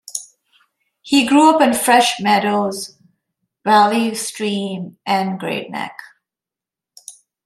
He grew up in Fresh Meadows, Valley Stream, and Great Neck.